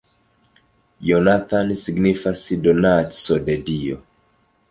Jonathan signifas 'donaco de dio'.